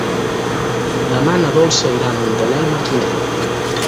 Demà na Dolça irà a Montellà i Martinet.